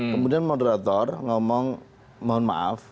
kemudian moderator ngomong mohon maaf